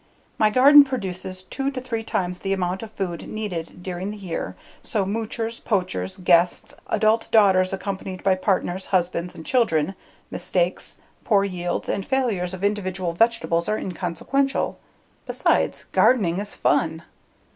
My garden produces two to three times the amount of food needed during the year so moochers, poachers, guests, adult daughters accompanied by partners, husbands, and children, mistakes, poor yields, and failures of individual vegetables are inconsequential. Besides, gardening is fun.